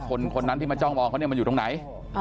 คนนั้นที่มาจ้องมองเขาเนี่ยมันอยู่ตรงไหน